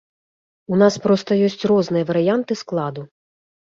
У нас проста ёсць розныя варыянты складу.